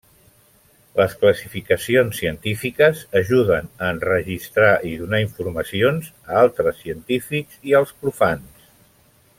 Les classificacions científiques ajuden a enregistrar i donar informacions a altres científics i als profans.